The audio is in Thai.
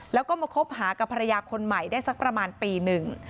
แล้วก็มาคบหากับภรรยาคนใหม่ได้สักประมาณปีหนึ่ง